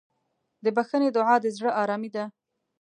د بښنې دعا د زړه ارامي ده.